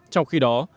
trong khi đó